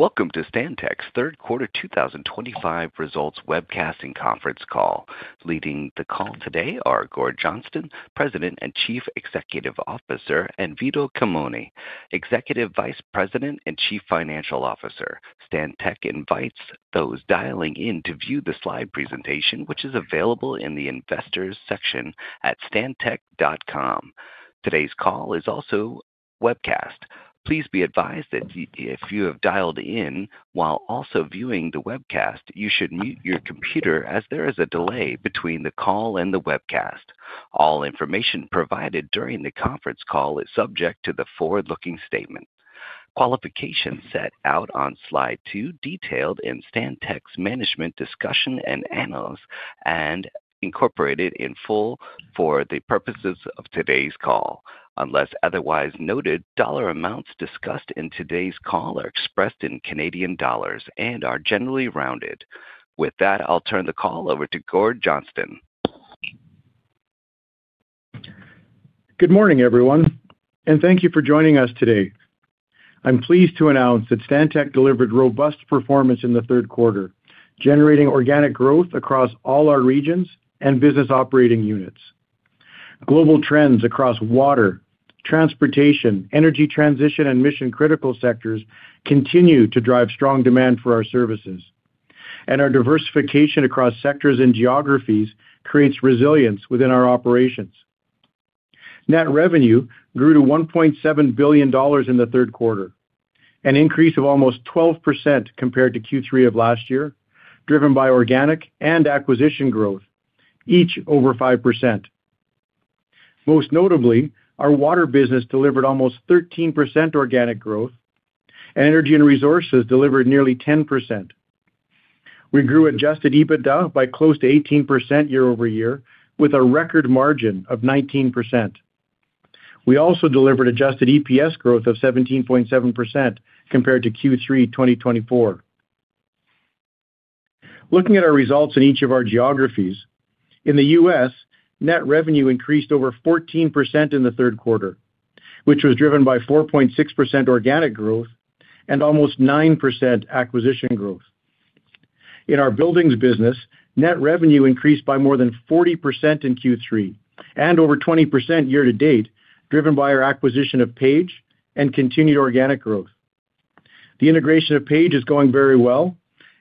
Welcome to Stantec's third quarter 2025 results webcasting conference call. Leading the call today are Gord Johnston, President and Chief Executive Officer, and Vito Culmone, Executive Vice President and Chief Financial Officer. Stantec invites those dialing in to view the slide presentation, which is available in the investors section at stantec.com. Today's call is also webcast. Please be advised that if you have dialed in while also viewing the webcast, you should mute your computer as there is a delay between the call and the webcast. All information provided during the conference call is subject to the forward-looking statement qualifications set out on slide two detailed in Stantec's management discussion and analysis and incorporated in full for the purposes of today's call. Unless otherwise noted, dollar amounts discussed in today's call are expressed in Canadian dollars and are generally rounded. With that, I'll turn the call over to Gord Johnston. Good morning, everyone, and thank you for joining us today. I'm pleased to announce that Stantec delivered robust performance in the third quarter, generating organic growth across all our regions and business operating units. Global trends across water, transportation, energy transition, and mission-critical sectors continue to drive strong demand for our services, and our diversification across sectors and geographies creates resilience within our operations. Net revenue grew to 1.7 billion dollars in the third quarter, an increase of almost 12% compared to Q3 of last year, driven by organic and acquisition growth, each over 5%. Most notably, our water business delivered almost 13% organic growth, and energy and resources delivered nearly 10%. We grew adjusted EBITDA by close to 18% year over year, with a record margin of 19%. We also delivered adjusted EPS growth of 17.7% compared to Q3 2024. Looking at our results in each of our geographies, in the U.S., net revenue increased over 14% in the third quarter, which was driven by 4.6% organic growth and almost 9% acquisition growth. In our buildings business, net revenue increased by more than 40% in Q3 and over 20% year-to-date, driven by our acquisition of Page and continued organic growth. The integration of Page is going very well,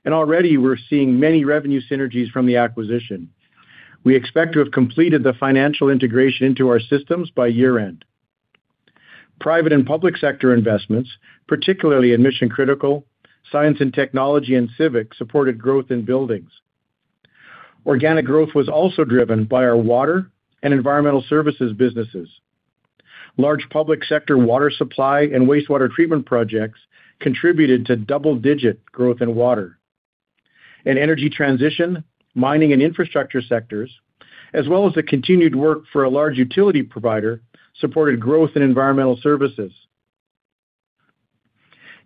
and already we're seeing many revenue synergies from the acquisition. We expect to have completed the financial integration into our systems by year-end. Private and public sector investments, particularly in mission-critical, science and technology, and civic supported growth in buildings. Organic growth was also driven by our water and environmental services businesses. Large public sector water supply and wastewater treatment projects contributed to double-digit growth in water. In energy transition, mining and infrastructure sectors, as well as the continued work for a large utility provider, supported growth in environmental services.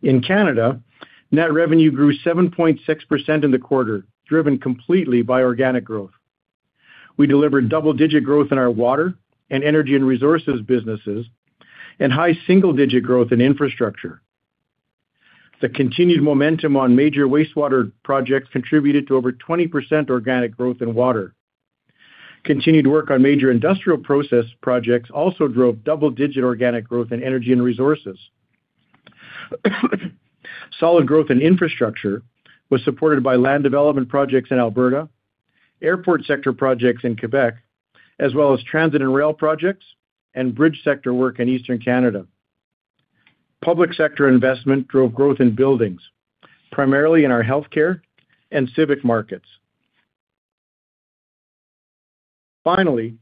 In Canada, net revenue grew 7.6% in the quarter, driven completely by organic growth. We delivered double-digit growth in our water and energy and resources businesses and high single-digit growth in infrastructure. The continued momentum on major wastewater projects contributed to over 20% organic growth in water. Continued work on major industrial process projects also drove double-digit organic growth in energy and resources. Solid growth in infrastructure was supported by land development projects in Alberta, airport sector projects in Quebec, as well as transit and rail projects and bridge sector work in eastern Canada. Public sector investment drove growth in buildings, primarily in our health care and civic markets. Finally,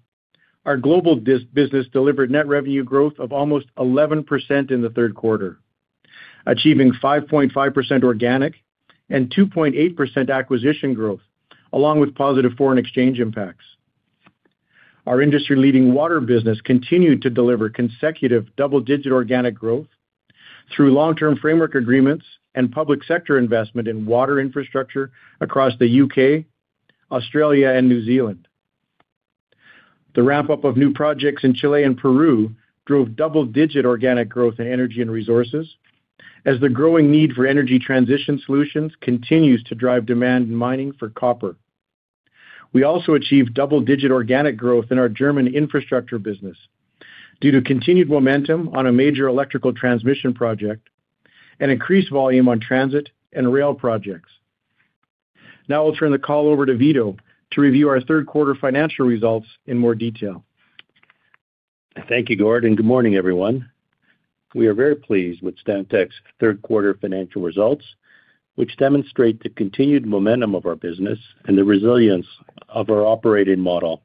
our global business delivered net revenue growth of almost 11% in the third quarter, achieving 5.5% organic and 2.8% acquisition growth, along with positive foreign exchange impacts. Our industry-leading water business continued to deliver consecutive double-digit organic growth through long-term framework agreements and public sector investment in water infrastructure across the U.K., Australia, and New Zealand. The ramp-up of new projects in Chile and Peru drove double-digit organic growth in energy and resources as the growing need for energy transition solutions continues to drive demand in mining for copper. We also achieved double-digit organic growth in our German infrastructure business due to continued momentum on a major electrical transmission project and increased volume on transit and rail projects. Now I'll turn the call over to Vito to review our third quarter financial results in more detail. Thank you, Gord, and good morning, everyone. We are very pleased with Stantec's third quarter financial results, which demonstrate the continued momentum of our business and the resilience of our operating model.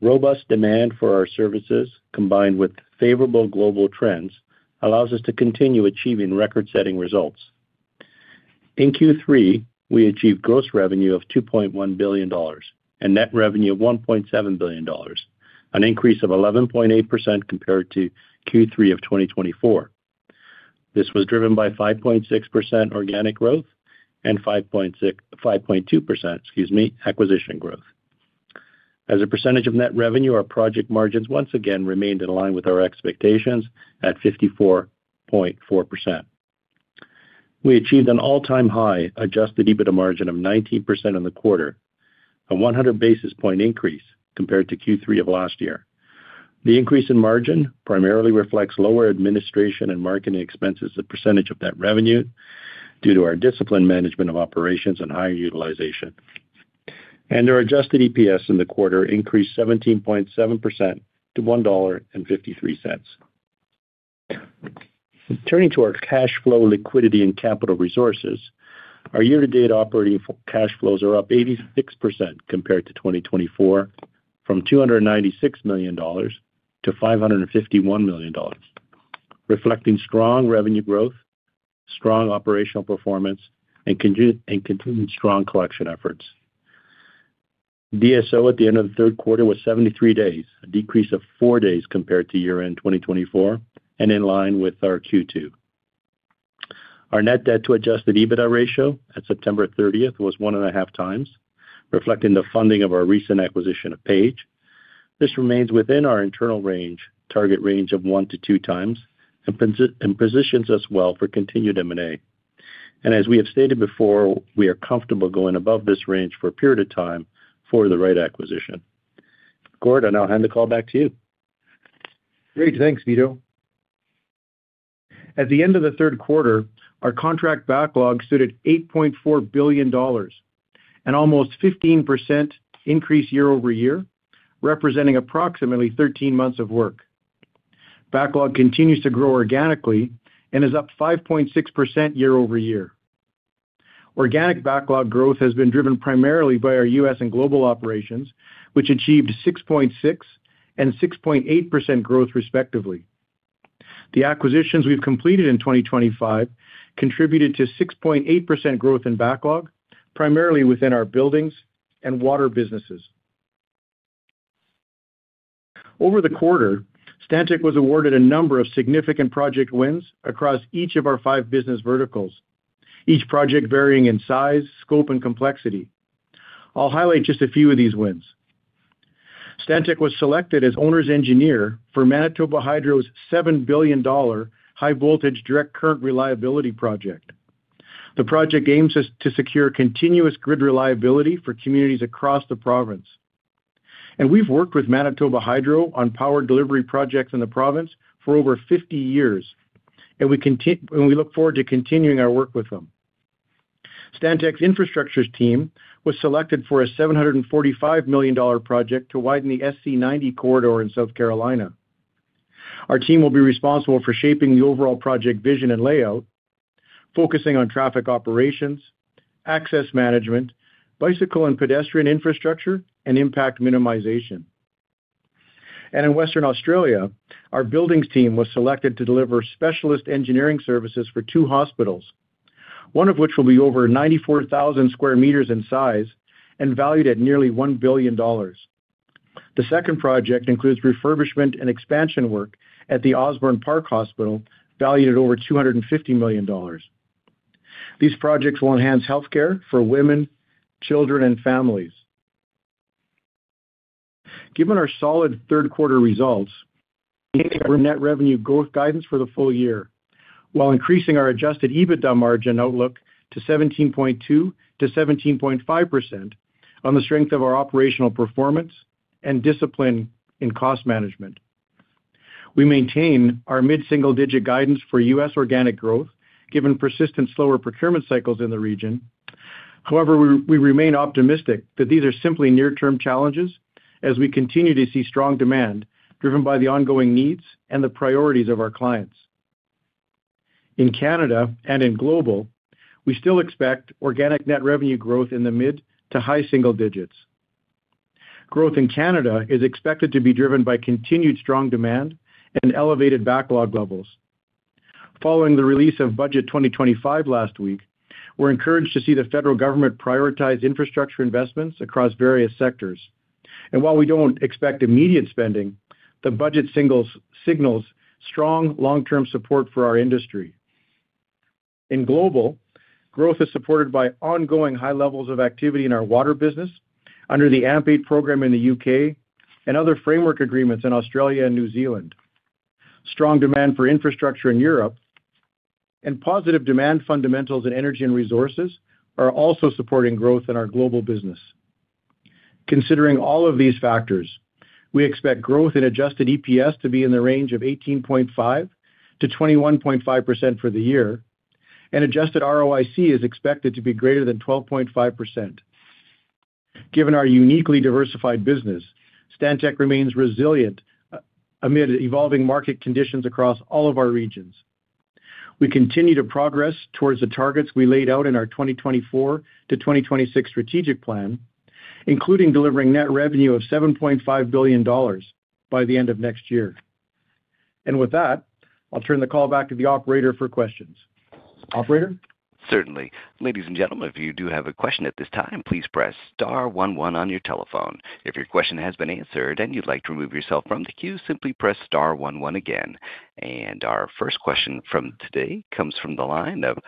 Robust demand for our services, combined with favorable global trends, allows us to continue achieving record-setting results. In Q3, we achieved gross revenue of 2.1 billion dollars and net revenue of 1.7 billion dollars, an increase of 11.8% compared to Q3 of 2024. This was driven by 5.6% organic growth and 5.2% acquisition growth. As a percentage of net revenue, our project margins once again remained in line with our expectations at 54.4%. We achieved an all-time high adjusted EBITDA margin of 19% in the quarter, a 100 basis point increase compared to Q3 of last year. The increase in margin primarily reflects lower administration and marketing expenses as a percentage of net revenue due to our disciplined management of operations and higher utilization. Our adjusted EPS in the quarter increased 17.7% to $1.53. Turning to our cash flow, liquidity, and capital resources, our year-to-date operating cash flows are up 86% compared to 2024, from 296 million dollars to 551 million dollars, reflecting strong revenue growth, strong operational performance, and continued strong collection efforts. DSO at the end of the third quarter was 73 days, a decrease of four days compared to year-end 2024 and in line with our Q2. Our net debt-to-adjusted EBITDA ratio at September 30th was one and a half times, reflecting the funding of our recent acquisition of Page. This remains within our internal target range of one to two times and positions us well for continued M&A. As we have stated before, we are comfortable going above this range for a period of time for the right acquisition. Gord, I now hand the call back to you. Great. Thanks, Vito. At the end of the third quarter, our contract backlog stood at 8.4 billion dollars, an almost 15% increase year over year, representing approximately 13 months of work. Backlog continues to grow organically and is up 5.6% year-over-year. Organic backlog growth has been driven primarily by our U.S. and global operations, which achieved 6.6% and 6.8% growth, respectively. The acquisitions we have completed in 2023 contributed to 6.8% growth in backlog, primarily within our buildings and water businesses. Over the quarter, Stantec was awarded a number of significant project wins across each of our five business verticals, each project varying in size, scope, and complexity. I will highlight just a few of these wins. Stantec was selected as owner's engineer for Manitoba Hydro's 7 billion dollar high-voltage direct current reliability project. The project aims to secure continuous grid reliability for communities across the province. We have worked with Manitoba Hydro on power delivery projects in the province for over 50 years, and we look forward to continuing our work with them. Stantec's infrastructure team was selected for a $745 million project to widen the SC 90 corridor in South Carolina. Our team will be responsible for shaping the overall project vision and layout, focusing on traffic operations, access management, bicycle and pedestrian infrastructure, and impact minimization. In Western Australia, our buildings team was selected to deliver specialist engineering services for two hospitals, one of which will be over 94,000 sq m in size and valued at nearly $1 billion. The second project includes refurbishment and expansion work at the Osborne Park Hospital, valued at over $250 million. These projects will enhance healthcare for women, children, and families. Given our solid third quarter results, we maintain our net revenue growth guidance for the full year while increasing our adjusted EBITDA margin outlook to 17.2%-17.5% on the strength of our operational performance and discipline in cost management. We maintain our mid-single-digit guidance for U.S. organic growth, given persistent slower procurement cycles in the region. However, we remain optimistic that these are simply near-term challenges as we continue to see strong demand driven by the ongoing needs and the priorities of our clients. In Canada and in global, we still expect organic net revenue growth in the mid to high single digits. Growth in Canada is expected to be driven by continued strong demand and elevated backlog levels. Following the release of Budget 2025 last week, we're encouraged to see the federal government prioritize infrastructure investments across various sectors. While we do not expect immediate spending, the budget signals strong long-term support for our industry. In global, growth is supported by ongoing high levels of activity in our water business under the AMP program in the U.K. and other framework agreements in Australia and New Zealand. Strong demand for infrastructure in Europe and positive demand fundamentals in energy and resources are also supporting growth in our global business. Considering all of these factors, we expect growth in adjusted EPS to be in the range of 18.5%-21.5% for the year, and adjusted ROIC is expected to be greater than 12.5%. Given our uniquely diversified business, Stantec remains resilient amid evolving market conditions across all of our regions. We continue to progress towards the targets we laid out in our 2024 to 2026 strategic plan, including delivering net revenue of 7.5 billion dollars by the end of next year. With that, I'll turn the call back to the operator for questions. Operator? Certainly. Ladies and gentlemen, if you do have a question at this time, please press star one one on your telephone. If your question has been answered and you'd like to remove yourself from the queue, simply press star one one again. Our first question from today comes from the line of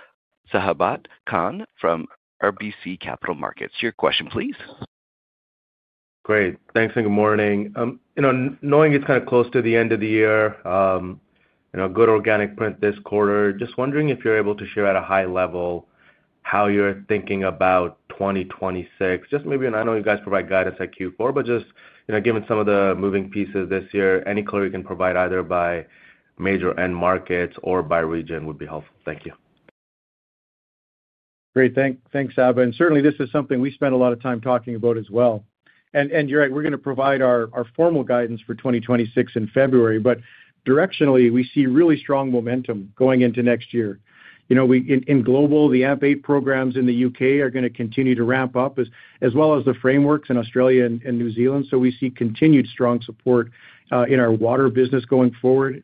Sabahat Khan from RBC Capital Markets. Your question, please. Great. Thanks and good morning. Knowing it is kind of close to the end of the year, good organic print this quarter, just wondering if you are able to share at a high level how you are thinking about 2026. Just maybe, and I know you guys provide guidance at Q4, but just given some of the moving pieces this year, any color you can provide either by major end markets or by region would be helpful. Thank you. Great. Thanks, Sabahat. Certainly, this is something we spend a lot of time talking about as well. You're right, we're going to provide our formal guidance for 2026 in February, but directionally, we see really strong momentum going into next year. In global, the AMP programs in the U.K. are going to continue to ramp up, as well as the frameworks in Australia and New Zealand. We see continued strong support in our water business going forward.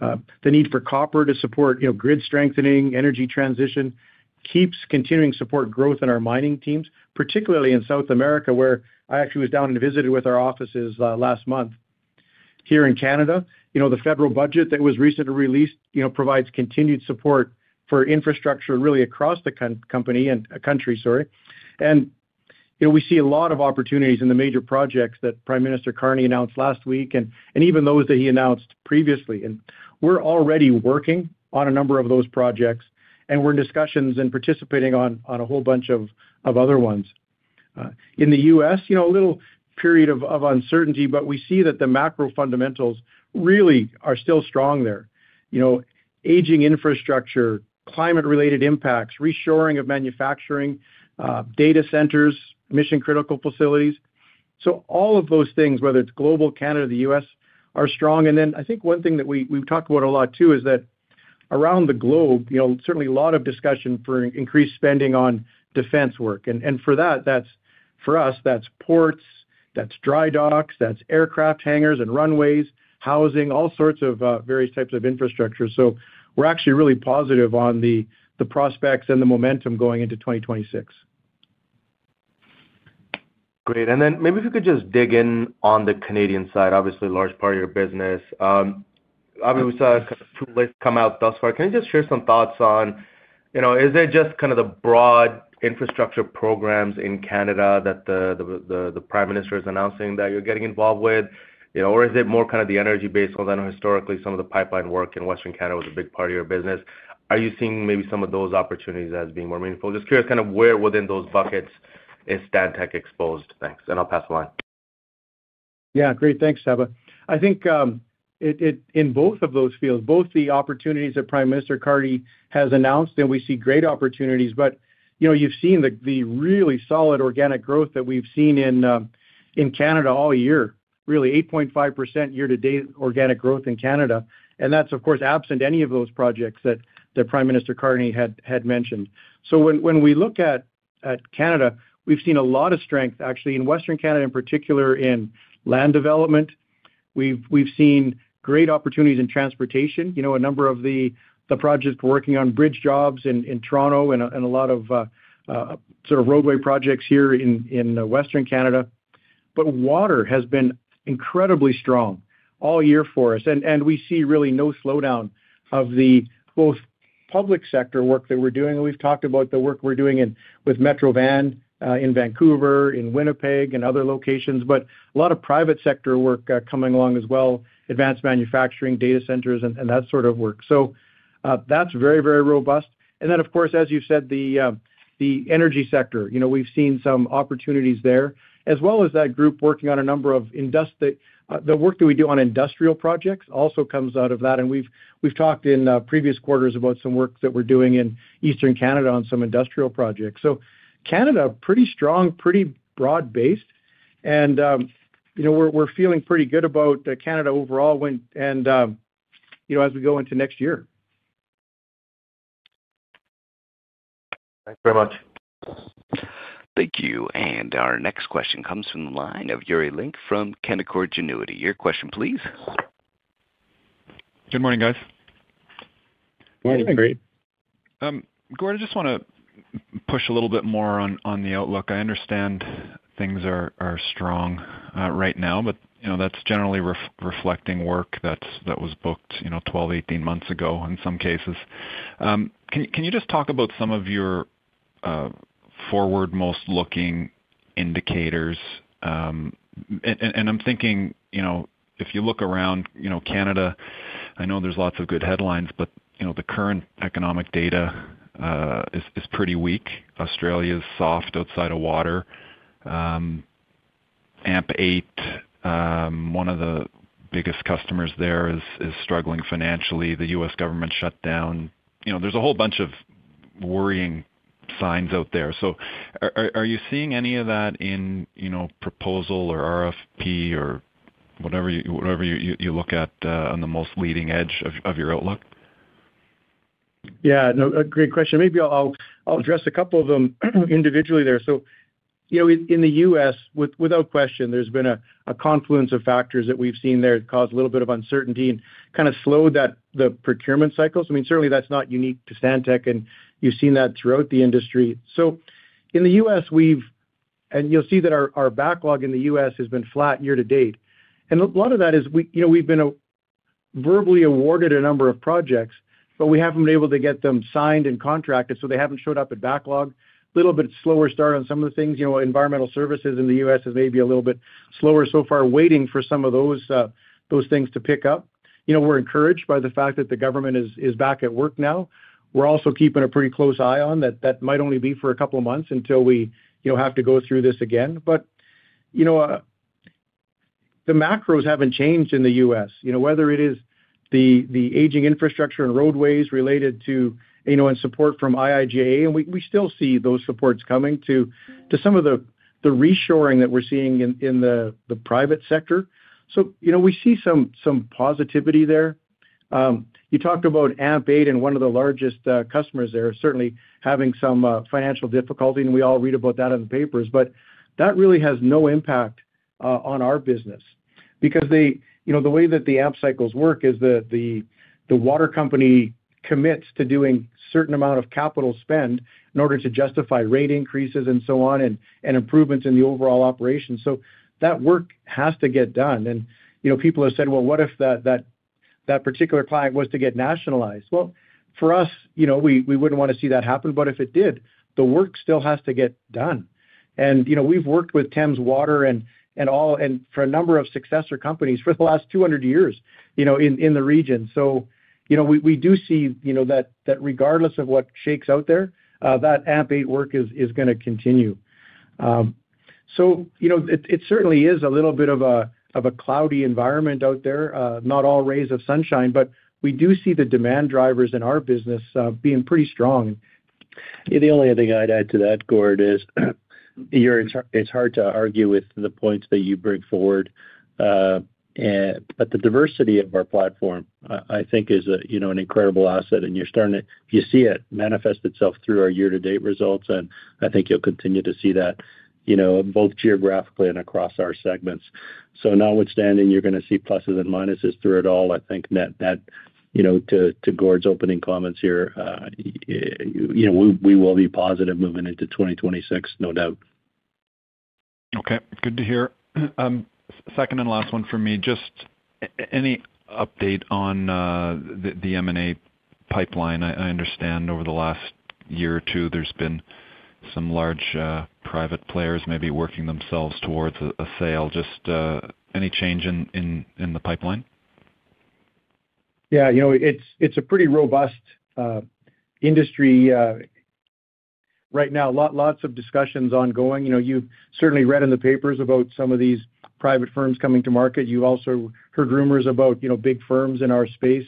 The need for copper to support grid strengthening, energy transition keeps continuing to support growth in our mining teams, particularly in South America, where I actually was down and visited with our offices last month. Here in Canada, the federal budget that was recently released provides continued support for infrastructure really across the country. We see a lot of opportunities in the major projects that Prime Minister Carney announced last week and even those that he announced previously. We are already working on a number of those projects, and we are in discussions and participating on a whole bunch of other ones. In the U.S., a little period of uncertainty, but we see that the macro fundamentals really are still strong there. Aging infrastructure, climate-related impacts, reshoring of manufacturing, data centers, mission-critical facilities. All of those things, whether it is global, Canada, the U.S., are strong. I think one thing that we have talked about a lot too is that around the globe, certainly a lot of discussion for increased spending on defense work. For us, that is ports, that is dry docks, that is aircraft hangars and runways, housing, all sorts of various types of infrastructure. We're actually really positive on the prospects and the momentum going into 2026. Great. Maybe if you could just dig in on the Canadian side, obviously a large part of your business. Obviously, we saw two lists come out thus far. Can you just share some thoughts on, is it just kind of the broad infrastructure programs in Canada that the Prime Minister is announcing that you're getting involved with? Is it more kind of the energy-based ones? I know historically some of the pipeline work in Western Canada was a big part of your business. Are you seeing maybe some of those opportunities as being more meaningful? Just curious kind of where within those buckets is Stantec exposed. Thanks. I'll pass the line. Yeah. Great. Thanks, Sabahat. I think in both of those fields, both the opportunities that Prime Minister Carney has announced, and we see great opportunities, but you've seen the really solid organic growth that we've seen in Canada all year, really 8.5% year-to-date organic growth in Canada. That's, of course, absent any of those projects that Prime Minister Carney had mentioned. When we look at Canada, we've seen a lot of strength, actually, in Western Canada in particular in land development. We've seen great opportunities in transportation, a number of the projects we're working on, bridge jobs in Toronto, and a lot of sort of roadway projects here in Western Canada. Water has been incredibly strong all year for us. We see really no slowdown of the both public sector work that we're doing. We have talked about the work we are doing with Metro Vancouver in Vancouver, in Winnipeg, and other locations, but a lot of private sector work is coming along as well, advanced manufacturing, data centers, and that sort of work. That is very, very robust. Of course, as you said, the energy sector, we have seen some opportunities there, as well as that group working on a number of the work that we do on industrial projects also comes out of that. We have talked in previous quarters about some work that we are doing in Eastern Canada on some industrial projects. Canada is pretty strong, pretty broad-based. We are feeling pretty good about Canada overall as we go into next year. Thanks very much. Thank you. Our next question comes from the line of Yuri Lynk from Canaccord Genuity. Your question, please. Good morning, guys. Morning. Great. Gordon, I just want to push a little bit more on the outlook. I understand things are strong right now, but that's generally reflecting work that was booked 12, 18 months ago in some cases. Can you just talk about some of your forward-most-looking indicators? I'm thinking if you look around Canada, I know there's lots of good headlines, but the current economic data is pretty weak. Australia is soft outside of water. AMP8, one of the biggest customers there, is struggling financially. The U.S. government shutdown. There's a whole bunch of worrying signs out there. Are you seeing any of that in proposal or RFP or whatever you look at on the most leading edge of your outlook? Yeah. Great question. Maybe I'll address a couple of them individually there. In the U.S., without question, there's been a confluence of factors that we've seen there cause a little bit of uncertainty and kind of slowed the procurement cycles. I mean, certainly, that's not unique to Stantec, and you've seen that throughout the industry. In the U.S., we've—and you'll see that our backlog in the U.S. has been flat year to date. A lot of that is we've been verbally awarded a number of projects, but we haven't been able to get them signed and contracted, so they haven't showed up at backlog. A little bit slower start on some of the things. Environmental services in the U.S. is maybe a little bit slower so far, waiting for some of those things to pick up. We're encouraged by the fact that the government is back at work now. We're also keeping a pretty close eye on that. That might only be for a couple of months until we have to go through this again. The macros have not changed in the U.S., whether it is the aging infrastructure and roadways related to and support from IIJA. We still see those supports coming to some of the reshoring that we're seeing in the private sector. We see some positivity there. You talked about AMP and one of the largest customers there certainly having some financial difficulty, and we all read about that in the papers, but that really has no impact on our business because the way that the AMP cycles work is the water company commits to doing a certain amount of capital spend in order to justify rate increases and so on and improvements in the overall operation. That work has to get done. People have said, "What if that particular client was to get nationalized?" For us, we would not want to see that happen. If it did, the work still has to get done. We have worked with Thames Water and for a number of successor companies for the last 200 years in the region. We do see that regardless of what shakes out there, that AMP work is going to continue. It certainly is a little bit of a cloudy environment out there, not all rays of sunshine, but we do see the demand drivers in our business being pretty strong. The only thing I'd add to that, Gord, is it's hard to argue with the points that you bring forward. The diversity of our platform, I think, is an incredible asset. You see it manifest itself through our year-to-date results. I think you'll continue to see that both geographically and across our segments. Notwithstanding, you're going to see pluses and minuses through it all. I think that to Gord's opening comments here, we will be positive moving into 2026, no doubt. Okay. Good to hear. Second and last one for me, just any update on the M&A pipeline? I understand over the last year or two, there's been some large private players maybe working themselves towards a sale. Just any change in the pipeline? Yeah. It's a pretty robust industry right now. Lots of discussions ongoing. You've certainly read in the papers about some of these private firms coming to market. You've also heard rumors about big firms in our space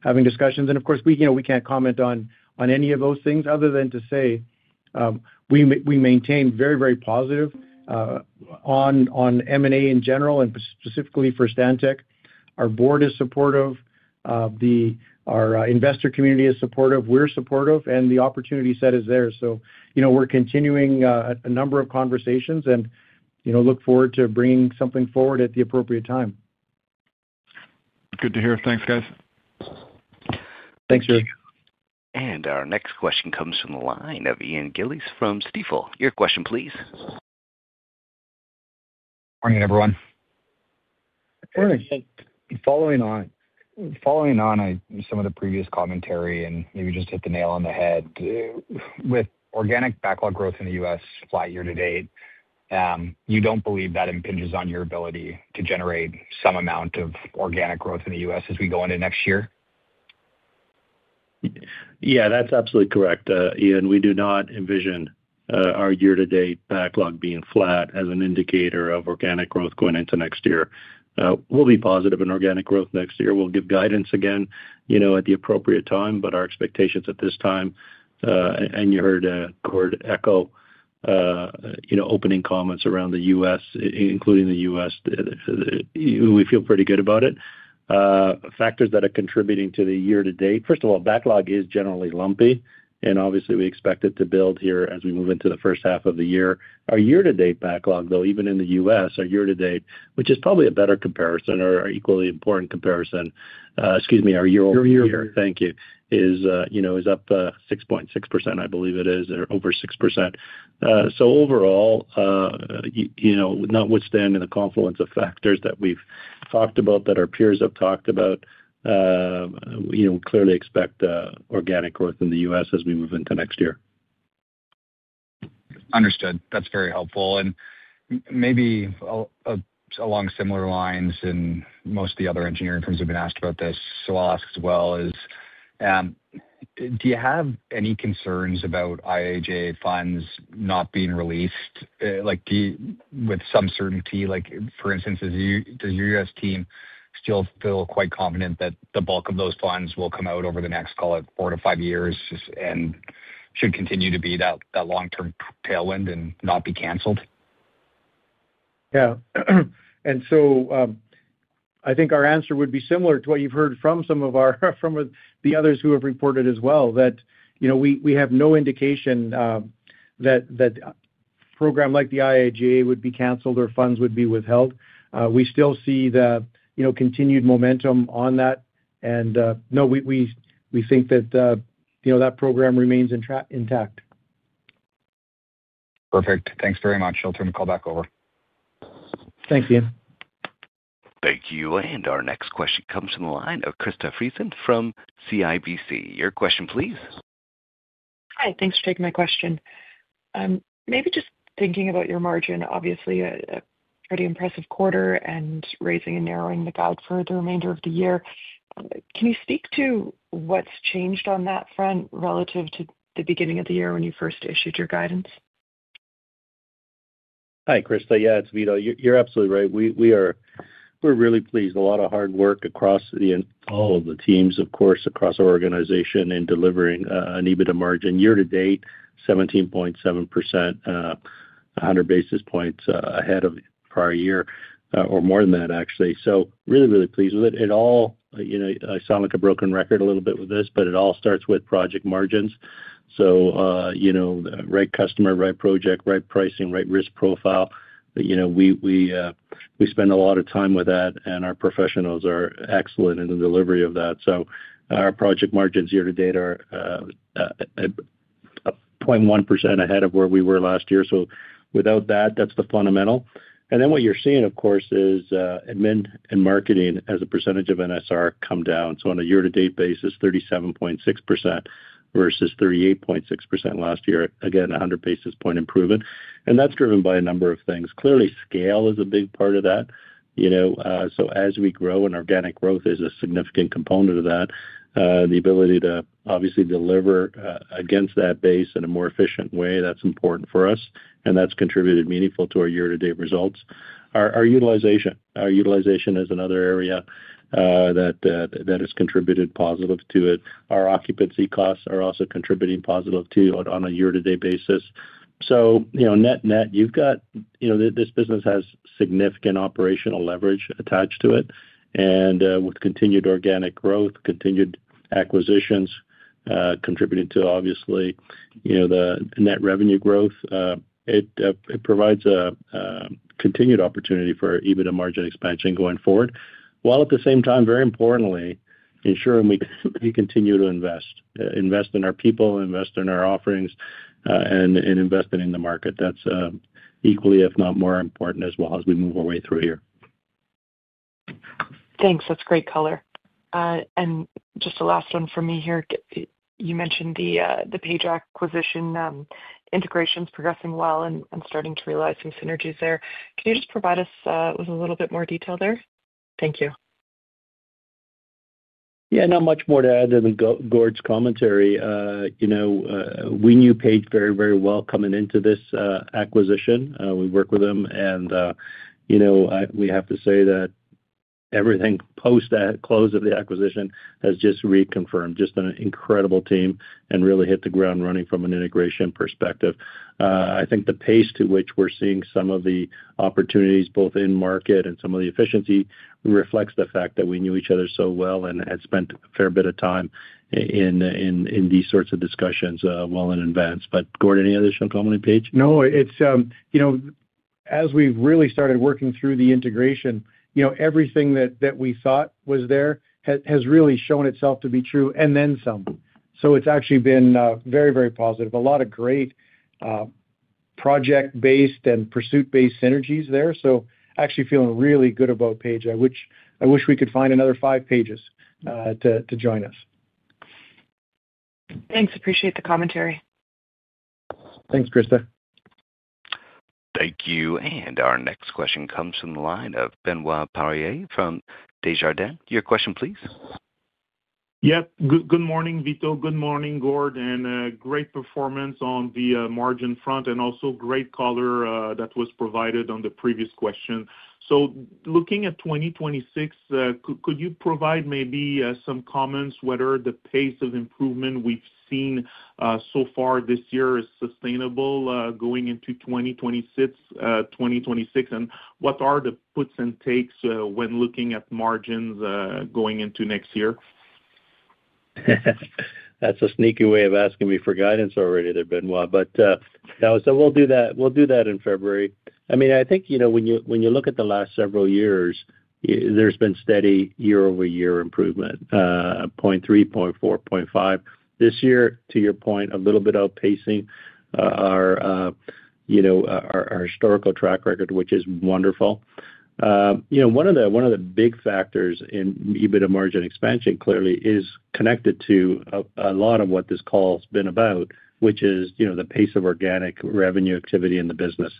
having discussions. Of course, we can't comment on any of those things other than to say we maintain very, very positive on M&A in general and specifically for Stantec. Our board is supportive. Our investor community is supportive. We're supportive. The opportunity set is there. We're continuing a number of conversations and look forward to bringing something forward at the appropriate time. Good to hear. Thanks, guys. Thanks, Yuri. Our next question comes from the line of Ian Gillis from Stifel. Your question, please. Good morning, everyone. Following on some of the previous commentary and maybe just hit the nail on the head, with organic backlog growth in the U.S. flat year to date, you do not believe that impinges on your ability to generate some amount of organic growth in the U.S. as we go into next year? Yeah, that's absolutely correct. We do not envision our year-to-date backlog being flat as an indicator of organic growth going into next year. We will be positive in organic growth next year. We will give guidance again at the appropriate time, but our expectations at this time—you heard Gord echo opening comments around the U.S., including the U.S.—we feel pretty good about it. Factors that are contributing to the year-to-date, first of all, backlog is generally lumpy. Obviously, we expect it to build here as we move into the first half of the year. Our year-to-date backlog, though, even in the U.S., our year-to-date, which is probably a better comparison or equally important comparison—excuse me, our year-over-year. Thank you. It is up 6.6%, I believe it is, or over 6%. Overall, notwithstanding the confluence of factors that we've talked about, that our peers have talked about, we clearly expect organic growth in the U.S. as we move into next year. Understood. That is very helpful. Maybe along similar lines, most of the other engineering firms who have been asked about this, so I will ask as well, is do you have any concerns about IIJA funds not being released with some certainty? For instance, does your U.S. team still feel quite confident that the bulk of those funds will come out over the next, call it, four to five years and should continue to be that long-term tailwind and not be canceled? Yeah. I think our answer would be similar to what you've heard from some of the others who have reported as well, that we have no indication that a program like the IIJA would be canceled or funds would be withheld. We still see the continued momentum on that. No, we think that that program remains intact. Perfect. Thanks very much. I'll turn the call back over. Thanks, Ian. Thank you. Our next question comes from the line of Krista Friesen from CIBC. Your question, please. Hi. Thanks for taking my question. Maybe just thinking about your margin, obviously, a pretty impressive quarter and raising and narrowing the guide for the remainder of the year. Can you speak to what's changed on that front relative to the beginning of the year when you first issued your guidance? Hi, Krista. Yeah, it's Vito. You're absolutely right. We're really pleased. A lot of hard work across all of the teams, of course, across our organization in delivering an EBITDA margin. Year-to-date, 17.7%, 100 basis points ahead of the prior year, or more than that, actually. Really, really pleased with it. It all—I sound like a broken record a little bit with this, but it all starts with project margins. Right customer, right project, right pricing, right risk profile. We spend a lot of time with that, and our professionals are excellent in the delivery of that. Our project margins year-to-date are 0.1% ahead of where we were last year. Without that, that's the fundamental. What you're seeing, of course, is admin and marketing as a percentage of NSR come down. On a year-to-date basis, 37.6% versus 38.6% last year. Again, 100 basis point improvement. That is driven by a number of things. Clearly, scale is a big part of that. As we grow, and organic growth is a significant component of that, the ability to obviously deliver against that base in a more efficient way, that is important for us. That has contributed meaningfully to our year-to-date results. Our utilization is another area that has contributed positively to it. Our occupancy costs are also contributing positively too on a year-to-date basis. Net-net, you have got this business has significant operational leverage attached to it. With continued organic growth, continued acquisitions contributing to, obviously, the net revenue growth, it provides a continued opportunity for EBITDA margin expansion going forward. While at the same time, very importantly, ensuring we continue to invest, invest in our people, invest in our offerings, and invest in the market. That's equally, if not more important, as well as we move our way through here. Thanks. That's great color. Just a last one for me here. You mentioned the Page acquisition integration's progressing well and starting to realize some synergies there. Can you just provide us with a little bit more detail there? Thank you. Yeah. Not much more to add than Gord's commentary. We knew Page very, very well coming into this acquisition. We work with them. We have to say that everything post-close of the acquisition has just reconfirmed. Just an incredible team and really hit the ground running from an integration perspective. I think the pace to which we're seeing some of the opportunities, both in market and some of the efficiency, reflects the fact that we knew each other so well and had spent a fair bit of time in these sorts of discussions well in advance. Gord, any additional comment on Page? No. As we've really started working through the integration, everything that we thought was there has really shown itself to be true and then some. It has actually been very, very positive. A lot of great project-based and pursuit-based synergies there. Actually feeling really good about Page. I wish we could find another five Pages to join us. Thanks. Appreciate the commentary. Thanks, Christa. Thank you. Our next question comes from the line of Benoit Poirier from Desjardins. Your question, please. Yep. Good morning, Vito. Good morning, Gord. And great performance on the margin front and also great color that was provided on the previous question. Looking at 2026, could you provide maybe some comments whether the pace of improvement we've seen so far this year is sustainable going into 2026 and what are the puts and takes when looking at margins going into next year? That's a sneaky way of asking me for guidance already, there Benoit. No, we'll do that in February. I mean, I think when you look at the last several years, there's been steady year-over-year improvement, 0.3, 0.4, 0.5. This year, to your point, a little bit outpacing our historical track record, which is wonderful. One of the big factors in EBITDA margin expansion clearly is connected to a lot of what this call has been about, which is the pace of organic revenue activity in the business.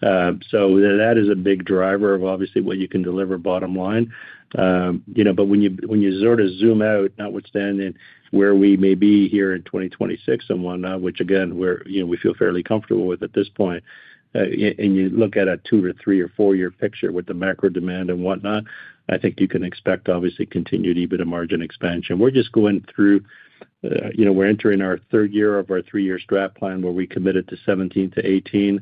That is a big driver of obviously what you can deliver bottom line. When you sort of zoom out, notwithstanding where we may be here in 2026 and whatnot, which again, we feel fairly comfortable with at this point, and you look at a two or three or four-year picture with the macro demand and whatnot, I think you can expect obviously continued EBITDA margin expansion. We're just going through, we're entering our third year of our three-year strat plan where we committed to 17%-18%.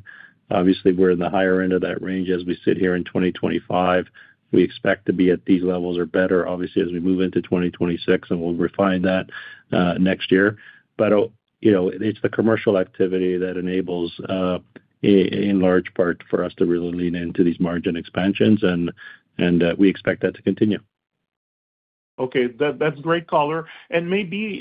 Obviously, we're in the higher end of that range as we sit here in 2025. We expect to be at these levels or better, obviously, as we move into 2026, and we'll refine that next year. It is the commercial activity that enables, in large part, for us to really lean into these margin expansions. We expect that to continue. Okay. That's great color. Maybe,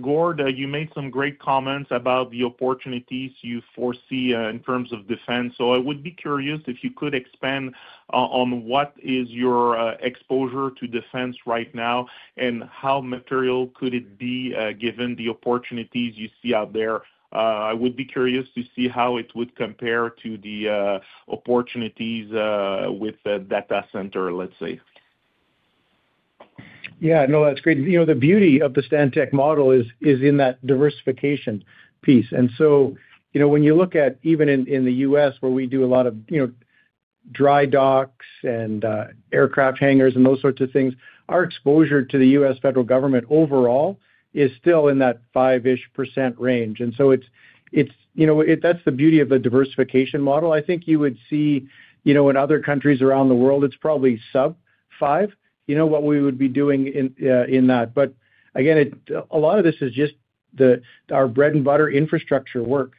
Gord, you made some great comments about the opportunities you foresee in terms of defense. I would be curious if you could expand on what is your exposure to defense right now and how material could it be given the opportunities you see out there. I would be curious to see how it would compare to the opportunities with data center, let's say. Yeah. No, that's great. The beauty of the Stantec model is in that diversification piece. When you look at even in the U.S., where we do a lot of dry docks and aircraft hangars and those sorts of things, our exposure to the U.S. federal government overall is still in that 5% range. That is the beauty of the diversification model. I think you would see in other countries around the world, it is probably sub-5% what we would be doing in that. Again, a lot of this is just our bread-and-butter infrastructure work,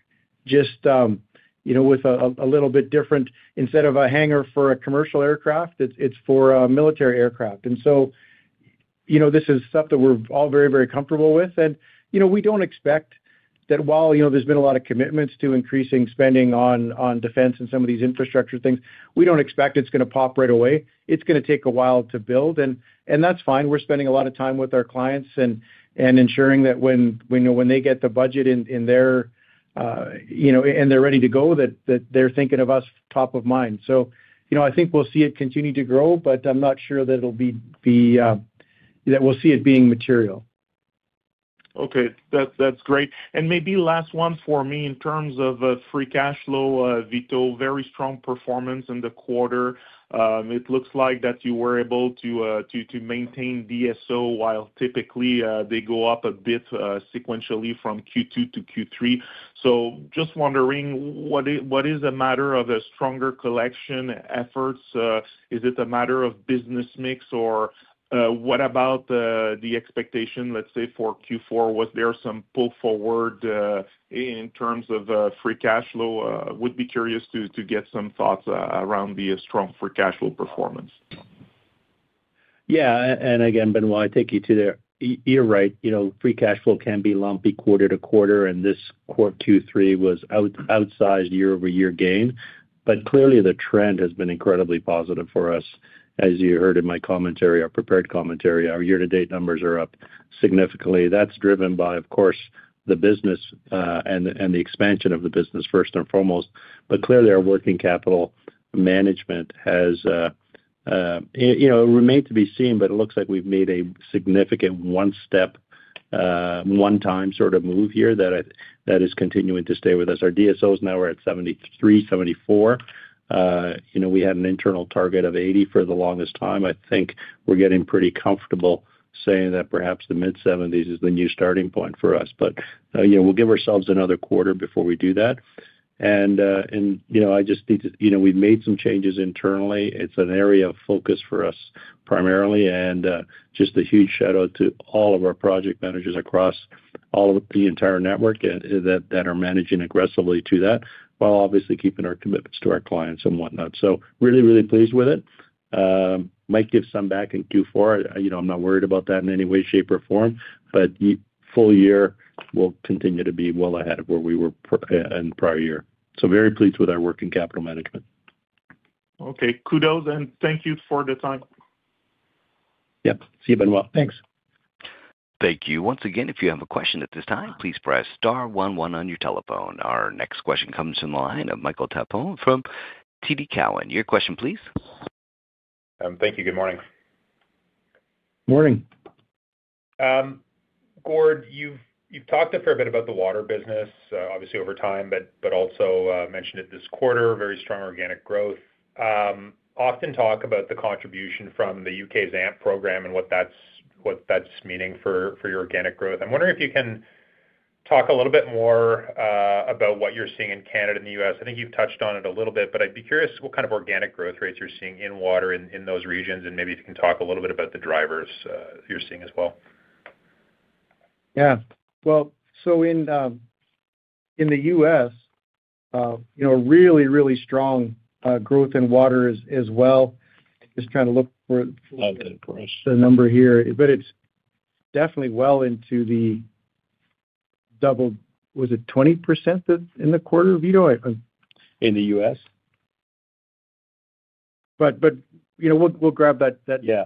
just with a little bit different. Instead of a hangar for a commercial aircraft, it is for a military aircraft. This is stuff that we are all very, very comfortable with. We do not expect that while there has been a lot of commitments to increasing spending on defense and some of these infrastructure things, we do not expect it is going to pop right away. It is going to take a while to build. That is fine. We are spending a lot of time with our clients and ensuring that when they get the budget in there and they are ready to go, they are thinking of us top of mind. I think we will see it continue to grow, but I am not sure that we will see it being material. Okay. That's great. Maybe last one for me in terms of free cash flow, Vito, very strong performance in the quarter. It looks like you were able to maintain DSO while typically they go up a bit sequentially from Q2 to Q3. Just wondering, is it a matter of stronger collection efforts? Is it a matter of business mix? What about the expectation, let's say, for Q4? Was there some pull forward in terms of free cash flow? Would be curious to get some thoughts around the strong free cash flow performance. Yeah. Again, Benoit, I take you to the—you are right. Free cash flow can be lumpy quarter to quarter, and this quarter Q3 was an outsized year-over-year gain. Clearly, the trend has been incredibly positive for us. As you heard in my commentary, our prepared commentary, our year-to-date numbers are up significantly. That is driven by, of course, the business and the expansion of the business, first and foremost. Clearly, our working capital management has remained to be seen, but it looks like we have made a significant one-step, one-time sort of move here that is continuing to stay with us. Our DSOs now are at 73, 74. We had an internal target of 80 for the longest time. I think we are getting pretty comfortable saying that perhaps the mid-70s is the new starting point for us. We will give ourselves another quarter before we do that. I just need to—we've made some changes internally. It's an area of focus for us primarily. Just a huge shout-out to all of our project managers across all of the entire network that are managing aggressively to that, while obviously keeping our commitments to our clients and whatnot. Really, really pleased with it. Might give some back in Q4. I'm not worried about that in any way, shape, or form. For the full year, we'll continue to be well ahead of where we were in the prior year. Very pleased with our working capital management. Okay. Kudos and thank you for the time. Yep. See you, Benoit. Thanks. Thank you. Once again, if you have a question at this time, please press star one one on your telephone. Our next question comes from the line of Michael Tupholme from TD Cowen. Your question, please. Thank you. Good morning. Morning. Gord, you've talked for a bit about the water business, obviously over time, but also mentioned it this quarter, very strong organic growth. Often talk about the contribution from the U.K.'s AMP program and what that's meaning for your organic growth. I'm wondering if you can talk a little bit more about what you're seeing in Canada and the U.S. I think you've touched on it a little bit, but I'd be curious what kind of organic growth rates you're seeing in water in those regions, and maybe if you can talk a little bit about the drivers you're seeing as well. Yeah. In the U.S., really, really strong growth in water as well. Just trying to look for the number here. It is definitely well into the double—was it 20% in the quarter, Vito? In the U.S.? We will grab that. Yeah.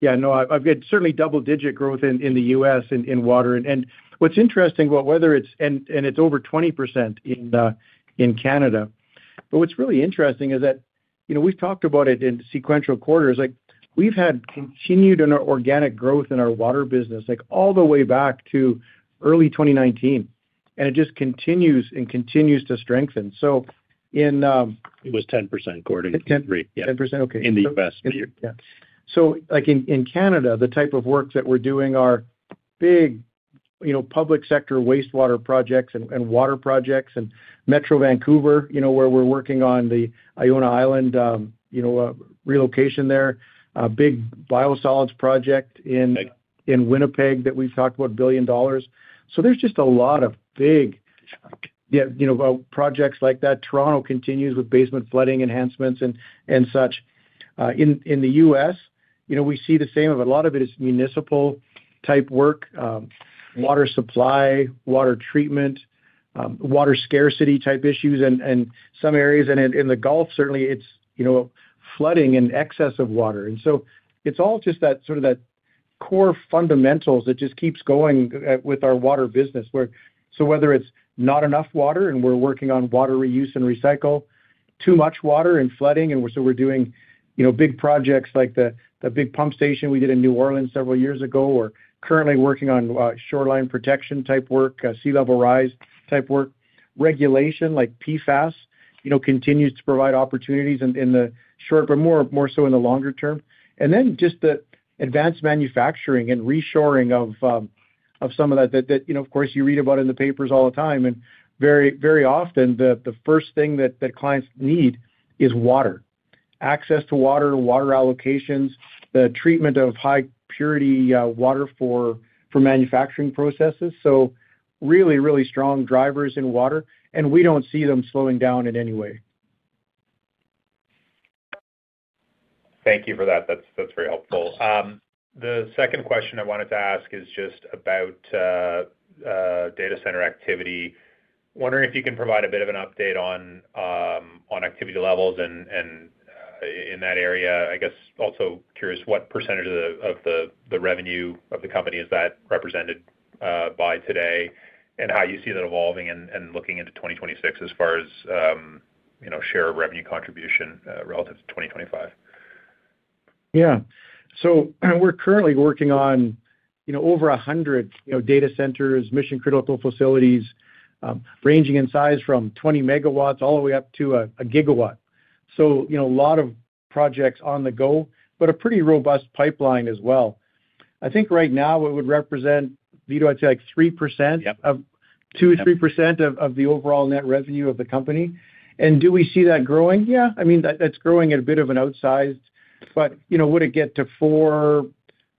Yeah. No, I've got certainly double-digit growth in the U.S. in water. What's interesting, whether it's—and it's over 20% in Canada. What's really interesting is that we've talked about it in sequential quarters. We've had continued organic growth in our water business all the way back to early 2019. It just continues and continues to strengthen. In. It was 10%, Gordon. 10%. Yeah. 10%. Okay. In the U.S. Yeah. In Canada, the type of work that we're doing are big public sector wastewater projects and water projects. Metro Vancouver, where we're working on the Iona Island relocation there, a big biosolids project in Winnipeg that we've talked about, a billion dollars. There's just a lot of big projects like that. Toronto continues with basement flooding enhancements and such. In the U.S., we see the same, a lot of it is municipal-type work, water supply, water treatment, water scarcity-type issues in some areas. In the Gulf, certainly, it's flooding and excess of water. It's all just that sort of core fundamentals that just keeps going with our water business. Whether it's not enough water and we're working on water reuse and recycle, too much water and flooding. We are doing big projects like the big pump station we did in New Orleans several years ago, or currently working on shoreline protection-type work, sea level rise-type work. Regulation like PFAS continues to provide opportunities in the short, but more so in the longer term. Just the advanced manufacturing and reshoring of some of that, of course, you read about in the papers all the time. Very often, the first thing that clients need is water, access to water, water allocations, the treatment of high-purity water for manufacturing processes. Really, really strong drivers in water. We do not see them slowing down in any way. Thank you for that. That's very helpful. The second question I wanted to ask is just about data center activity. Wondering if you can provide a bit of an update on activity levels in that area. I guess also curious what percentage of the revenue of the company is that represented by today and how you see that evolving and looking into 2026 as far as share of revenue contribution relative to 2025. Yeah. We're currently working on over 100 data centers, mission-critical facilities, ranging in size from 20 megawatts all the way up to a gigawatt. A lot of projects on the go, but a pretty robust pipeline as well. I think right now it would represent, Vito, I'd say like 3%, 2%-3% of the overall net revenue of the company. Do we see that growing? Yeah. I mean, that's growing at a bit of an outsized. Would it get to 4%,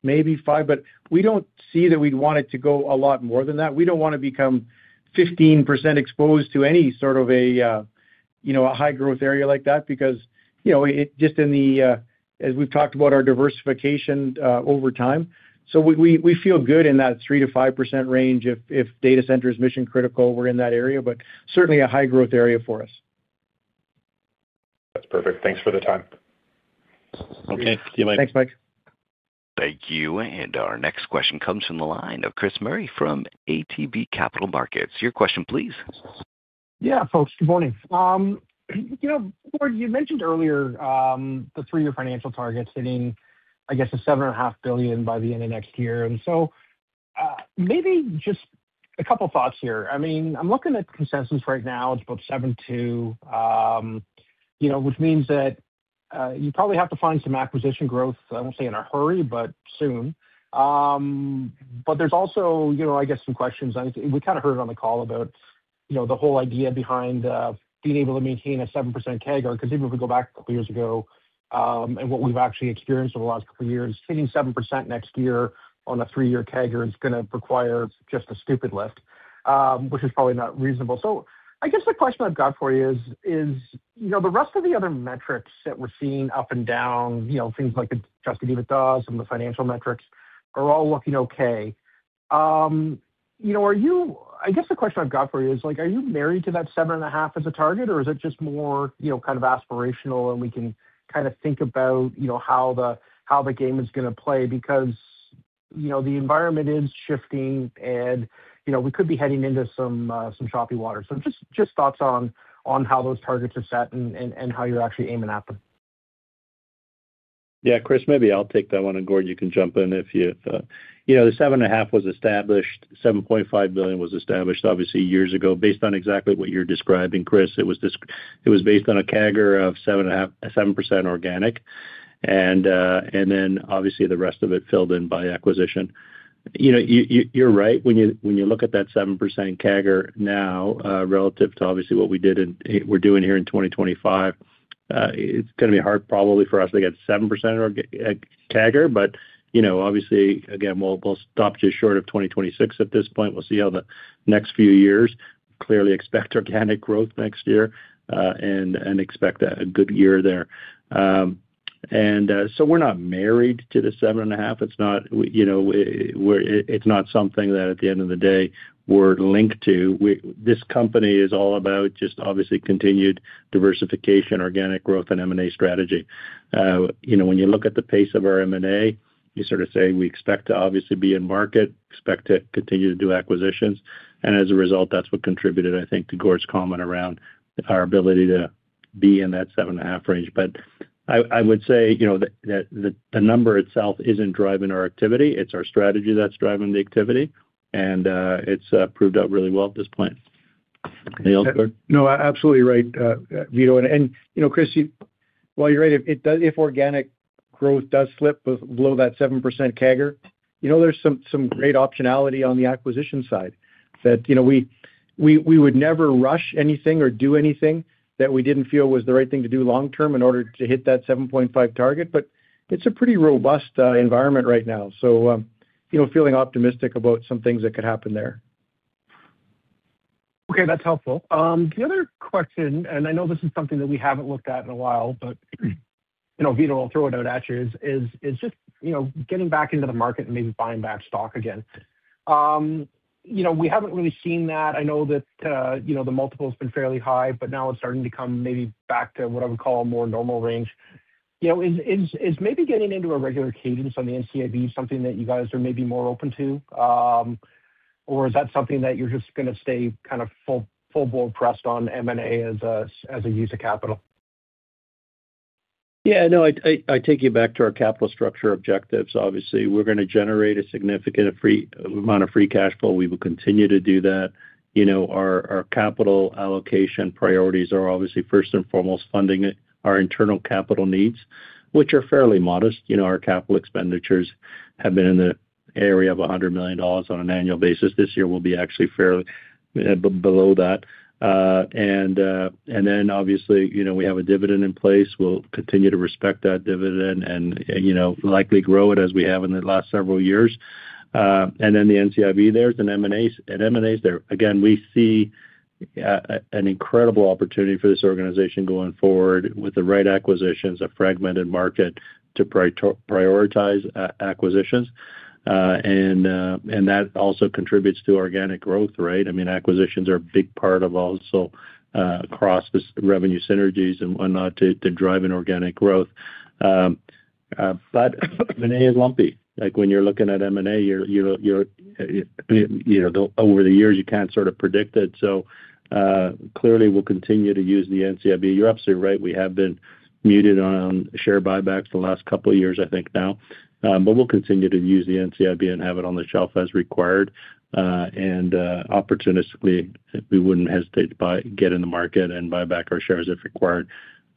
maybe 5%? We don't see that we'd want it to go a lot more than that. We don't want to become 15% exposed to any sort of a high-growth area like that because just in the, as we've talked about, our diversification over time. We feel good in that 3%-5% range if data center is mission-critical, we're in that area, but certainly a high-growth area for us. That's perfect. Thanks for the time. Thank you. Thanks, Mike. Thank you. Our next question comes from the line of Chris Murray from ATB Capital Markets. Your question, please. Yeah, folks, good morning. Gord, you mentioned earlier the three-year financial target hitting, I guess, $7.5 billion by the end of next year. I mean, I'm looking at consensus right now. It's about $7 billion to $7.2 billion, which means that you probably have to find some acquisition growth, I won't say in a hurry, but soon. There's also, I guess, some questions. We kind of heard on the call about the whole idea behind being able to maintain a 7% CAGR, because even if we go back a couple of years ago and what we've actually experienced over the last couple of years, hitting 7% next year on a three-year CAGR is going to require just a stupid lift, which is probably not reasonable. I guess the question I've got for you is, the rest of the other metrics that we're seeing up and down, things like the adjusted EBITDA and the financial metrics are all looking okay. I guess the question I've got for you is, are you married to that seven and a half as a target, or is it just more kind of aspirational and we can kind of think about how the game is going to play? Because the environment is shifting and we could be heading into some choppy waters. Just thoughts on how those targets are set and how you're actually aiming at them. Yeah, Chris, maybe I'll take that one. Gord, you can jump in if you have. The 7.5 billion was established, obviously, years ago. Based on exactly what you're describing, Chris, it was based on a CAGR of 7% organic. Then, obviously, the rest of it filled in by acquisition. You're right. When you look at that 7% CAGR now, relative to obviously what we did and we're doing here in 2025, it's going to be hard probably for us to get 7% CAGR. Obviously, again, we'll stop just short of 2026 at this point. We'll see how the next few years. Clearly expect organic growth next year and expect a good year there. We're not married to the 7.5 billion. It's not something that, at the end of the day, we're linked to. This company is all about just obviously continued diversification, organic growth, and M&A strategy. When you look at the pace of our M&A, you sort of say we expect to obviously be in market, expect to continue to do acquisitions. As a result, that's what contributed, I think, to Gord's comment around our ability to be in that seven and a half range. I would say that the number itself isn't driving our activity. It's our strategy that's driving the activity. It's proved out really well at this point. No, absolutely right, Vito. And Chris, while you're right, if organic growth does slip below that 7% CAGR, there's some great optionality on the acquisition side that we would never rush anything or do anything that we didn't feel was the right thing to do long-term in order to hit that 7.5% target. But it's a pretty robust environment right now. So feeling optimistic about some things that could happen there. Okay. That's helpful. The other question, and I know this is something that we haven't looked at in a while, but Vito, I'll throw it out at you, is just getting back into the market and maybe buying back stock again. We haven't really seen that. I know that the multiple has been fairly high, but now it's starting to come maybe back to what I would call a more normal range. Is maybe getting into a regular cadence on the NCIB something that you guys are maybe more open to? Or is that something that you're just going to stay kind of full-blown pressed on M&A as a use of capital? Yeah. No, I take you back to our capital structure objectives. Obviously, we're going to generate a significant amount of free cash flow. We will continue to do that. Our capital allocation priorities are obviously first and foremost funding our internal capital needs, which are fairly modest. Our capital expenditures have been in the area of 100 million dollars on an annual basis. This year will be actually fairly below that. We have a dividend in place. We'll continue to respect that dividend and likely grow it as we have in the last several years. The NCIB, there's an M&A there. Again, we see an incredible opportunity for this organization going forward with the right acquisitions, a fragmented market to prioritize acquisitions. That also contributes to organic growth, right? I mean, acquisitions are a big part of also across revenue synergies and whatnot to drive an organic growth. M&A is lumpy. When you're looking at M&A over the years, you can't sort of predict it. Clearly, we'll continue to use the NCIB. You're absolutely right. We have been muted on share buybacks the last couple of years, I think now. We'll continue to use the NCIB and have it on the shelf as required. Opportunistically, we wouldn't hesitate to get in the market and buy back our shares if required.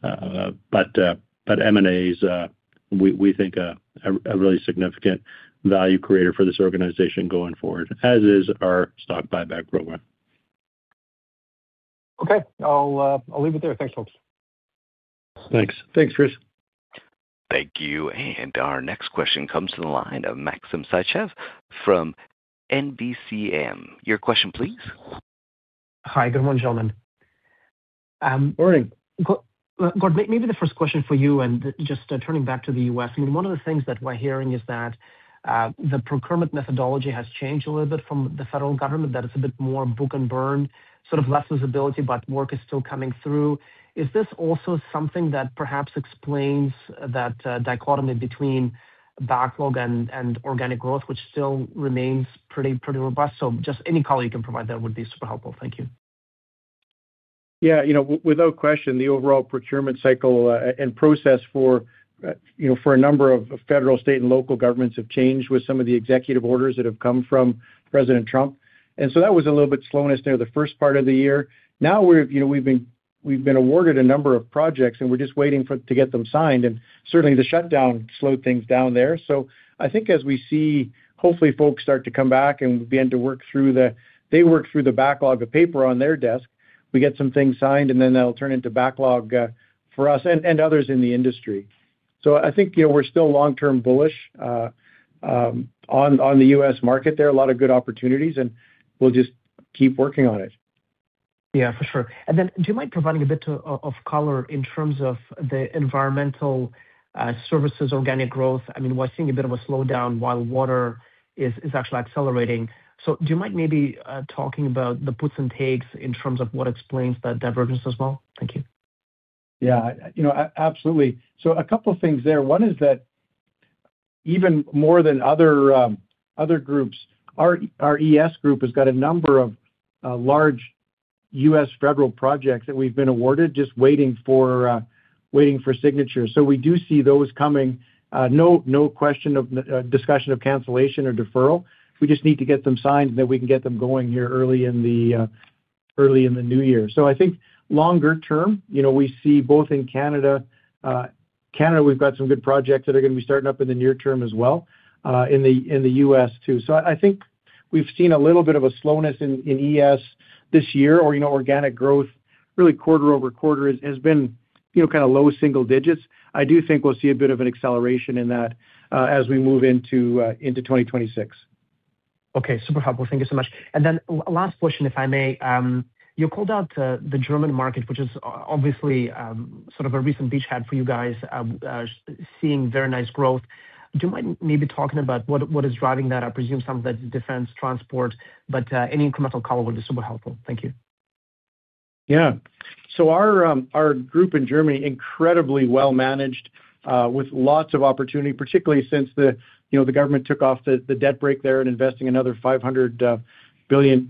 M&As, we think, are a really significant value creator for this organization going forward, as is our stock buyback program. Okay. I'll leave it there. Thanks, folks. Thanks. Thanks, Chris. Thank you. Our next question comes from the line of Maxim Sytchev from NBCM. Your question, please. Hi. Good morning, gentlemen. Gord, maybe the first question for you, and just turning back to the U.S., I mean, one of the things that we're hearing is that the procurement methodology has changed a little bit from the federal government, that it's a bit more book and burn, sort of less visibility, but work is still coming through. Is this also something that perhaps explains that dichotomy between backlog and organic growth, which still remains pretty robust? Just any color you can provide that would be super helpful. Thank you. Yeah. Without question, the overall procurement cycle and process for a number of federal, state, and local governments have changed with some of the executive orders that have come from President Trump. That was a little bit slowness there the first part of the year. Now we've been awarded a number of projects, and we're just waiting to get them signed. Certainly, the shutdown slowed things down there. I think as we see, hopefully, folks start to come back and begin to work through the backlog of paper on their desk, we get some things signed, and then they'll turn into backlog for us and others in the industry. I think we're still long-term bullish on the U.S. market there. A lot of good opportunities, and we'll just keep working on it. Yeah, for sure. Do you mind providing a bit of color in terms of the environmental services, organic growth? I mean, we're seeing a bit of a slowdown while water is actually accelerating. Do you mind maybe talking about the puts and takes in terms of what explains that divergence as well? Thank you. Yeah. Absolutely. A couple of things there. One is that even more than other groups, our ES group has got a number of large U.S. federal projects that we've been awarded just waiting for signatures. We do see those coming. No question of discussion of cancellation or deferral. We just need to get them signed and then we can get them going here early in the new year. I think longer term, we see both in Canada. Canada, we've got some good projects that are going to be starting up in the near term as well. In the U.S. too. I think we've seen a little bit of a slowness in ES this year, or organic growth really quarter over quarter has been kind of low single digits. I do think we'll see a bit of an acceleration in that as we move into 2026. Okay. Super helpful. Thank you so much. Last question, if I may. You called out the German market, which is obviously sort of a recent beachhead for you guys, seeing very nice growth. Do you mind maybe talking about what is driving that? I presume some of that is defense, transport, but any incremental color would be super helpful. Thank you. Yeah. Our group in Germany, incredibly well managed with lots of opportunity, particularly since the government took off the debt break there and investing another 500 billion.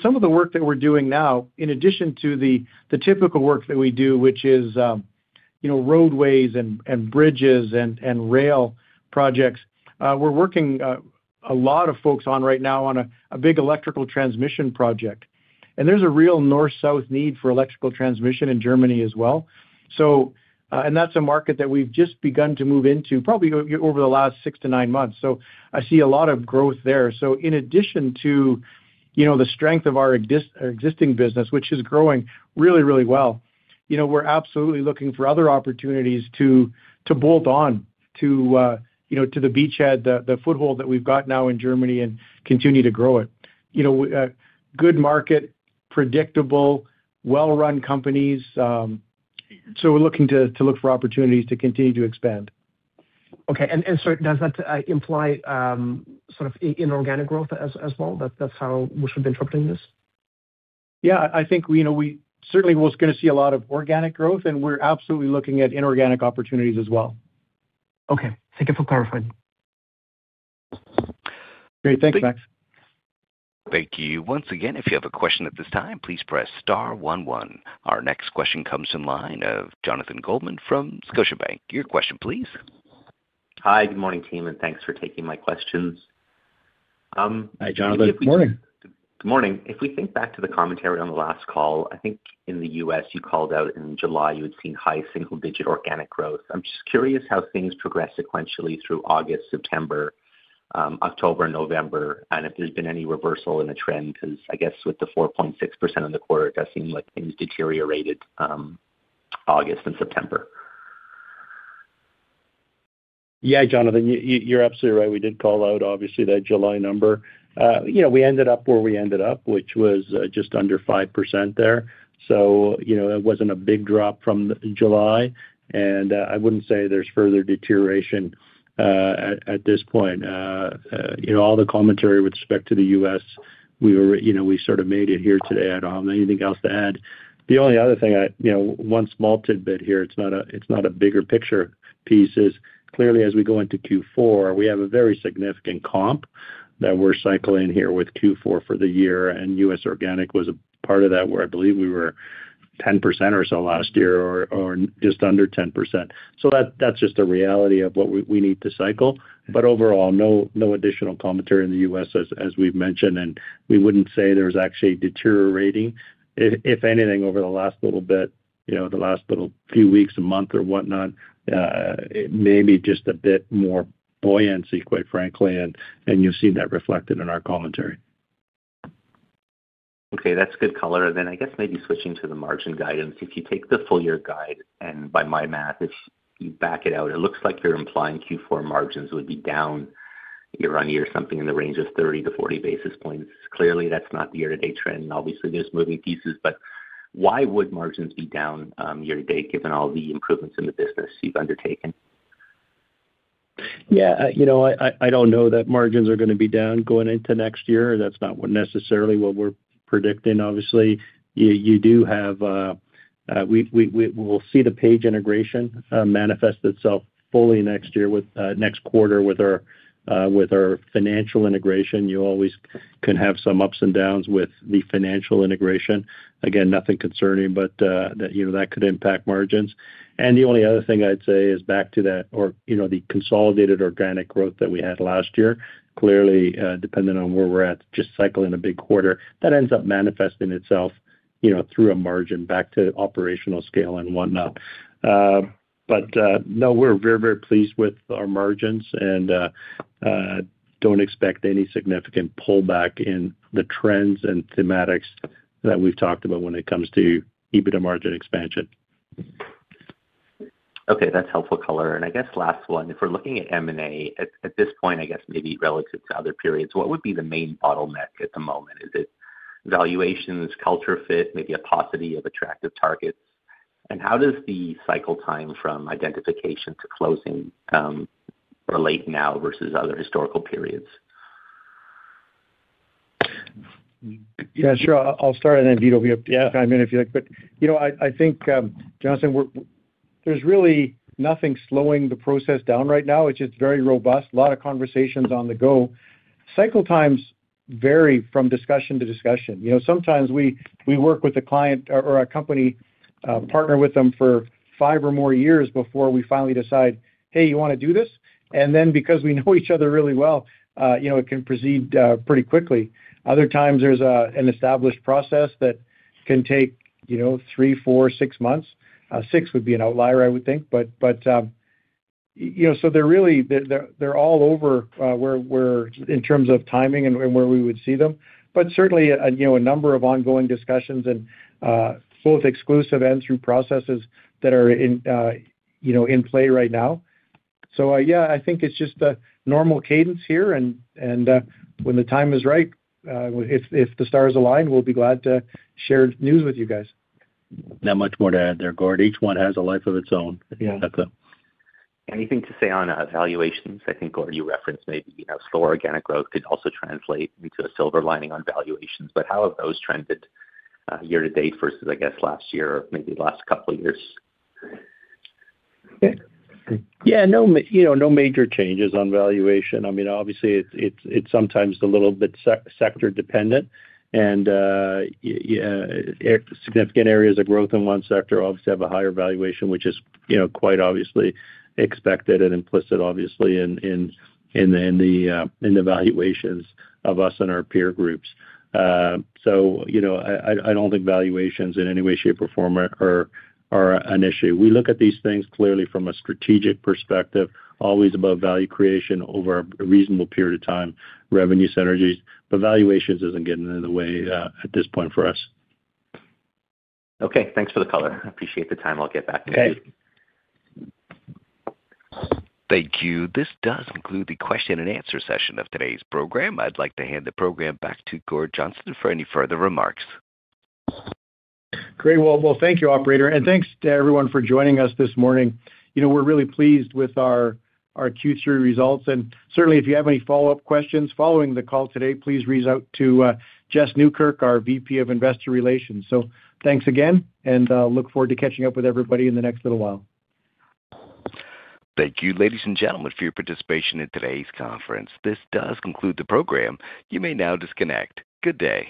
Some of the work that we're doing now, in addition to the typical work that we do, which is roadways and bridges and rail projects, we're working with a lot of folks right now on a big electrical transmission project. There's a real north-south need for electrical transmission in Germany as well. That's a market that we've just begun to move into probably over the last six to nine months. I see a lot of growth there. In addition to the strength of our existing business, which is growing really, really well, we're absolutely looking for other opportunities to bolt on to the beachhead, the foothold that we've got now in Germany and continue to grow it. Good market, predictable, well-run companies. We're looking to look for opportunities to continue to expand. Okay. Does that imply sort of inorganic growth as well? That's how we should be interpreting this? Yeah. I think we certainly are going to see a lot of organic growth, and we're absolutely looking at inorganic opportunities as well. Okay. Thank you for clarifying. Great. Thanks, Max. Thank you. Once again, if you have a question at this time, please press star one one. Our next question comes from Jonathan Goldman from Scotiabank. Your question, please. Hi. Good morning, team, and thanks for taking my questions. Hi, Jonathan. Good morning. Good morning. If we think back to the commentary on the last call, I think in the U.S., you called out in July you had seen high single-digit organic growth. I'm just curious how things progressed sequentially through August, September, October, November, and if there's been any reversal in the trend, because I guess with the 4.6% in the quarter, it does seem like things deteriorated August and September. Yeah, Jonathan, you're absolutely right. We did call out, obviously, that July number. We ended up where we ended up, which was just under 5% there. It was not a big drop from July. I would not say there is further deterioration at this point. All the commentary with respect to the U.S., we sort of made it here today. I do not have anything else to add. The only other thing, one small tidbit here, it is not a bigger picture piece, is clearly as we go into Q4, we have a very significant comp that we are cycling here with Q4 for the year. U.S. organic was a part of that where I believe we were 10% or so last year or just under 10%. That is just a reality of what we need to cycle. Overall, no additional commentary in the U.S., as we have mentioned. We would not say there is actually deteriorating, if anything, over the last little bit, the last little few weeks, a month, or whatnot. Maybe just a bit more buoyancy, quite frankly, and you have seen that reflected in our commentary. Okay. That's good color. I guess maybe switching to the margin guidance. If you take the full year guide, and by my math, if you back it out, it looks like you're implying Q4 margins would be down year on year, something in the range of 30-40 basis points. Clearly, that's not the year-to-date trend. Obviously, there's moving pieces, but why would margins be down year to date given all the improvements in the business you've undertaken? Yeah. I do not know that margins are going to be down going into next year. That is not necessarily what we are predicting, obviously. You do have, we will see the Page integration manifest itself fully next year with next quarter with our financial integration. You always can have some ups and downs with the financial integration. Again, nothing concerning, but that could impact margins. The only other thing I would say is back to that, or the consolidated organic growth that we had last year, clearly, depending on where we are at, just cycling a big quarter, that ends up manifesting itself through a margin back to operational scale and whatnot. No, we are very, very pleased with our margins and do not expect any significant pullback in the trends and thematics that we have talked about when it comes to EBITDA margin expansion. Okay. That's helpful color. I guess last one, if we're looking at M&A at this point, I guess maybe relative to other periods, what would be the main bottleneck at the moment? Is it valuations, culture fit, maybe a paucity of attractive targets? How does the cycle time from identification to closing relate now versus other historical periods? Yeah, sure. I'll start, and then Vito, it will be up to you. I mean, if you like. I think, Jonathan, there's really nothing slowing the process down right now. It's just very robust. A lot of conversations on the go. Cycle times vary from discussion to discussion. Sometimes we work with a client or a company, partner with them for five or more years before we finally decide, "Hey, you want to do this?" And then because we know each other really well, it can proceed pretty quickly. Other times, there's an established process that can take three, four, six months. Six would be an outlier, I would think. They are all over in terms of timing and where we would see them. Certainly, a number of ongoing discussions and both exclusive and through processes that are in play right now. Yeah, I think it's just a normal cadence here. When the time is right, if the stars align, we'll be glad to share news with you guys. Not much more to add there, Gord. Each one has a life of its own. Anything to say on valuations? I think, Gord, you referenced maybe slower organic growth could also translate into a silver lining on valuations. How have those trended year-to-date versus, I guess, last year or maybe the last couple of years? Yeah. No major changes on valuation. I mean, obviously, it's sometimes a little bit sector-dependent. Significant areas of growth in one sector obviously have a higher valuation, which is quite obviously expected and implicit, obviously, in the valuations of us and our peer groups. I don't think valuations in any way, shape, or form are an issue. We look at these things clearly from a strategic perspective, always above value creation over a reasonable period of time, revenue synergies. Valuations isn't getting in the way at this point for us. Okay. Thanks for the color. I appreciate the time. I'll get back to you. Thank you. This does conclude the question-and-answer session of today's program. I'd like to hand the program back to Gord Johnston for any further remarks. Great. Thank you, operator. Thanks to everyone for joining us this morning. We are really pleased with our Q3 results. Certainly, if you have any follow-up questions following the call today, please reach out to Jess Nieukerk, our VP of Investor Relations. Thanks again, and look forward to catching up with everybody in the next little while. Thank you, ladies and gentlemen, for your participation in today's conference. This does conclude the program. You may now disconnect. Good day.